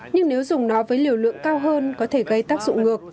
nhưng nếu dùng nó với liều lượng cao hơn có thể gây tác dụng ngược